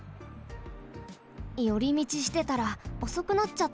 よりみちしてたらおそくなっちゃった。